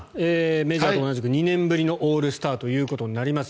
メジャーと同じく２年ぶりのオールスターということになります。